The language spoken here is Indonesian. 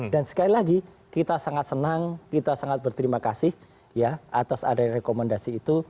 dan sekali lagi kita sangat senang kita sangat berterima kasih ya atas ada rekomendasi itu